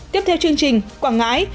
tiếp theo chương trình quảng ngãi